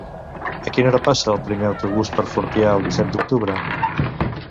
A quina hora passa el primer autobús per Fortià el disset d'octubre?